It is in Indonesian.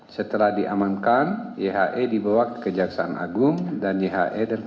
setelah diamankan ihe dibawa ke kejaksaan agung dan ihe dan kpk